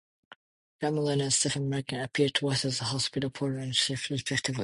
Graham Linehan and Stephen Merchant appear twice as the hospital porter and chef respectively.